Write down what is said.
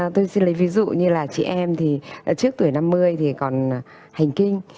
tôi xin lấy ví dụ như là chị em thì trước tuổi năm mươi thì còn hành kinh